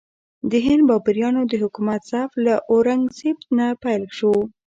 د هند بابریانو د حکومت ضعف له اورنګ زیب نه پیل شو.